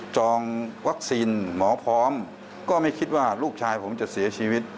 จองวัคซีนหมอพร้อมก็ไม่คิดว่าลูกชายผมจะเสียชีวิต